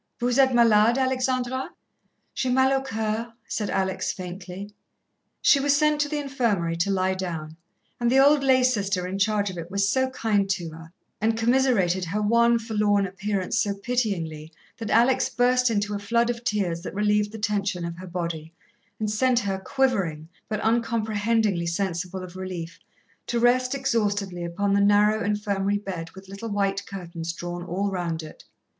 "Vous êtes malade, Alexandra?" "J'ai mal au coeur," said Alex faintly. She was sent to the infirmary to lie down, and the old lay sister in charge of it was so kind to her, and commiserated her wan, forlorn appearance so pityingly, that Alex burst into a flood of tears that relieved the tension of her body, and sent her, quivering, but uncomprehendingly sensible of relief, to rest exhaustedly upon the narrow infirmary bed with little white curtains drawn all round it.